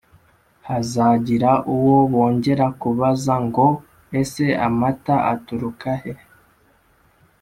hazagira uwo bongera kubaza ngo’ese amata aturuka he